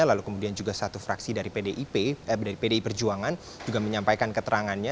lalu kemudian juga satu fraksi dari pdi perjuangan juga menyampaikan keterangannya